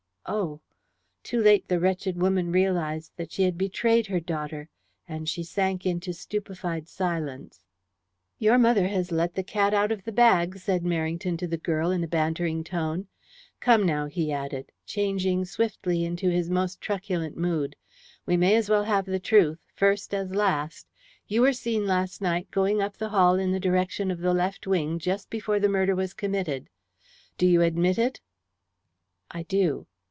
Oh!" Too late the wretched woman realized that she had betrayed her daughter, and she sank into a stupefied silence. "Your mother has let the cat out of the bag," said Merrington to the girl, in a bantering tone. "Come, now," he added, changing swiftly into his most truculent mood. "We may as well have the truth, first as last. You were seen last night going up the hall in the direction of the left wing just before the murder was committed. Do you admit it?" "I do."